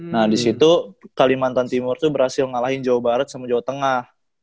nah disitu kalimantan timur tuh berhasil ngalahin jawa barat sama jawa tengah